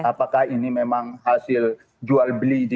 apakah ini memang hasil jual beli